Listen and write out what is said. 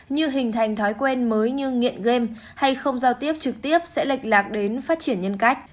như hình thành thói quen mới như nghiện game hay không giao tiếp trực tiếp sẽ lệch lạc đến phát triển nhân cách